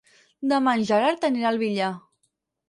Demà en Gerard anirà al Villar.